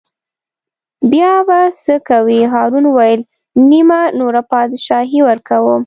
بیا به څه کوې هارون وویل: نیمه نوره بادشاهي ورکووم.